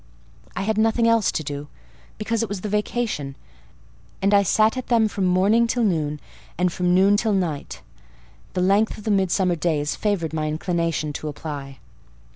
"I had nothing else to do, because it was the vacation, and I sat at them from morning till noon, and from noon till night: the length of the midsummer days favoured my inclination to apply."